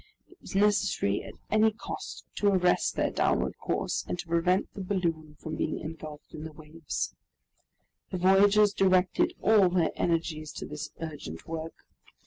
It was necessary at any cost to arrest their downward course, and to prevent the balloon from being engulfed in the waves. The voyagers directed all their energies to this urgent work.